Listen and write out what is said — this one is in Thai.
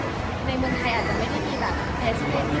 แล้วเหมือนถ้าให้กำลังจงใจจะไม่ใช่เท่าไหร่